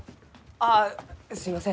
ああすみません